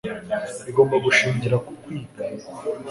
igomba gushingira ku wiga